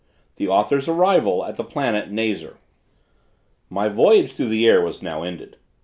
THE AUTHOR'S ARRIVAL AT THE PLANET NAZAR. My voyage through the air was now ended.